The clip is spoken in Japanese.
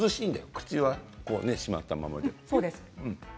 口は閉まったままで。